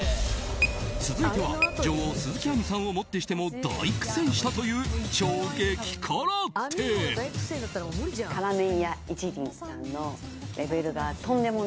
続いては、女王・鈴木亜美さんをもってしても大苦戦したという超激辛店。